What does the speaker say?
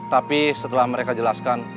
tapi setelah mereka jelaskan